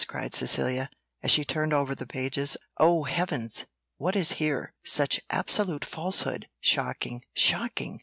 cried Cecilia, as she turned over the pages, "Oh Heavens! what is here? Such absolute falsehood! Shocking, shocking!"